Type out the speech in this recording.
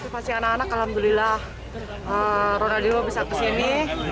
passing anak anak alhamdulillah ronaldinho bisa kesini